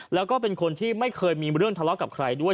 แล้วก็เป็นคนที่ไม่เคยมีเรื่องทะเลาะกับใครด้วย